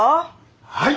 はい！